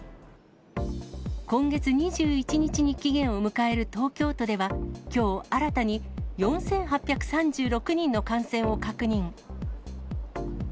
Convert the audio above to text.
今月２１日に期限を迎える東京都では、きょう新たに４８３６人の感染を確認。